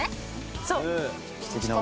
そう。